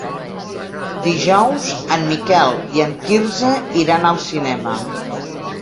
Dijous en Miquel i en Quirze iran al cinema.